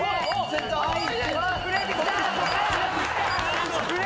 すごい！